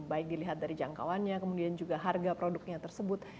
baik dilihat dari jangkauannya kemudian juga harga produknya tersebut